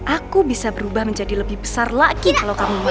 aku bisa berubah menjadi lebih besar lagi kalau kamu mau